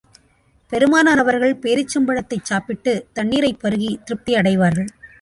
பெருமானார் அவர்கள் பேரீச்சம்பழத்தைச் சாப்பிட்டு, தண்ணீரைப் பருகி, திருப்தி அடைவார்கள்.